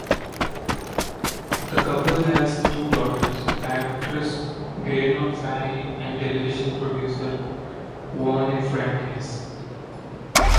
The couple has two daughters: actress Gaynor Faye and television producer Yvonne Francas.